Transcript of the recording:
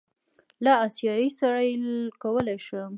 له آسیایي سره یې کولی شم.